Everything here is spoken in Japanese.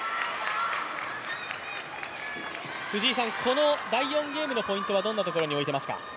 この第４ゲームのポイントはどんなところに置いていますか？